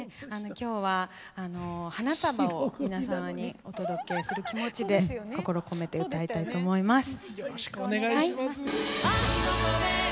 今日は花束を皆様にお届けする気持ちで心を込めて歌いたいと思います。